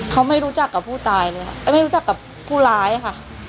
เขาไม่รู้จักกับผู้ตายเลยค่ะไม่รู้จักกับผู้ร้ายค่ะ